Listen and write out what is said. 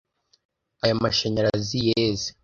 Aya mashanyarazi yeze.